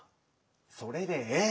それでええ。